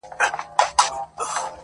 په رياضت کي ودې حد ته رسېدلی يمه~